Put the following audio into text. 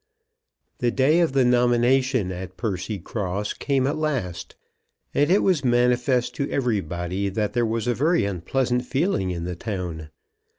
The day of the nomination at Percycross came at last, and it was manifest to everybody that there was a very unpleasant feeling in the town.